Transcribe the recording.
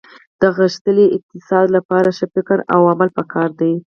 د غښتلي اقتصاد لپاره ښه فکر او عمل په کار دي